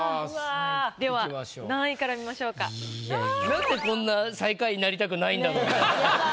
なんでこんな最下位になりたくないんだろう？